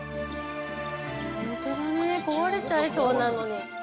ホントだね壊れちゃいそうなのに。